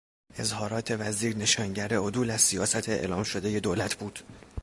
اظهارات وزیر نشانگر عدول از سیاست اعلام شدهی دولت بود.